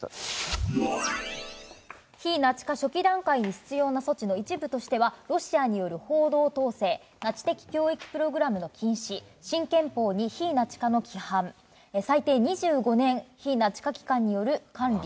非ナチ化初期段階に必要な措置の一部としては、ロシアによる報道統制、ナチ的教育プログラムの禁止、新憲法に非ナチ化の規範、最低２５年、非ナチ化機関による管理。